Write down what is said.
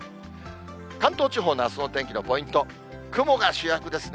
関東地方のあすの天気のポイント、雲が主役ですね。